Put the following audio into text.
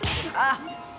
あっ！